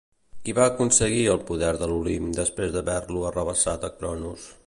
Qui va aconseguir el poder de l'Olimp després d'haver-lo arrabassat a Cronos?